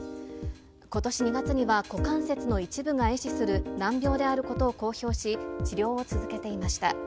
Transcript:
ことし２月には、股関節の一部がえ死する難病であることを公表し、治療を続けていました。